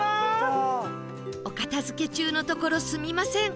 お片付け中のところすみません！